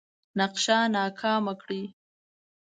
نقشه ناکامه کړي.